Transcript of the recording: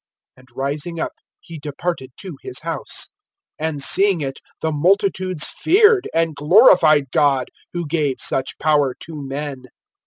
(7)And rising up he departed to his house. (8)And seeing it the multitudes feared, and glorified God, who gave such power to men.